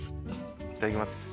いただきます。